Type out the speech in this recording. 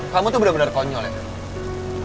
kamu tuh bener bener konyol ya